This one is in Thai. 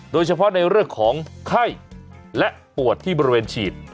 โดยเฉพาะในเรื่องของไข้และปวดที่บริเวณฉีด